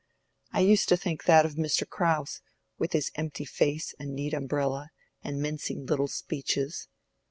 I used to think that of Mr. Crowse, with his empty face and neat umbrella, and mincing little speeches.